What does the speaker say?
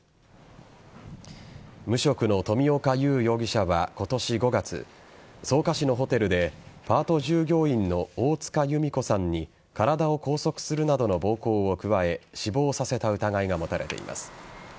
無職の冨岡勇容疑者は今年５月草加市のホテルでパート従業員の大塚由美子さんに体を拘束するなどの暴行を加え死亡させた疑いが持たれています。